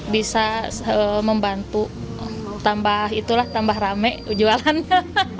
bisa membantu tambah rame jualannya